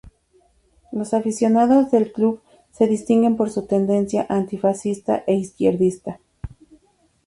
Los aficionados del club se distinguen por su tendencia antifascista e izquierdista.